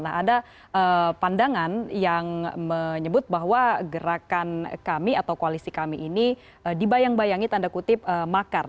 nah ada pandangan yang menyebut bahwa gerakan kami atau koalisi kami ini dibayang bayangi tanda kutip makar